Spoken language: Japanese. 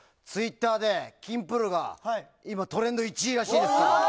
ツイッターで、キンプるが今、トレンド１位らしいですよ。